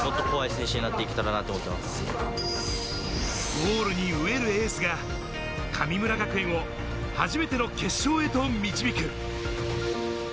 ゴールに飢えるエースが神村学園を初めての決勝へと導く。